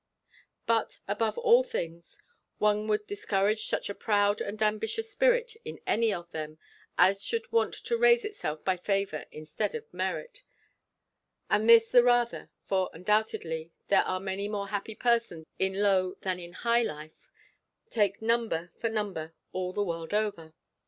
But, above all things, one would discourage such a proud and ambitious spirit in any of them, as should want to raise itself by favour instead of merit; and this the rather, for, undoubtedly, there are many more happy persons in low than in high life, take number for number all the world over.